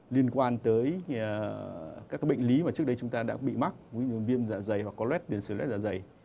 liên quan tới các cái bệnh lý mà trước đây chúng ta đã bị mắc ví dụ như viêm dạ dày hoặc có lết biển sửa lết dạ dày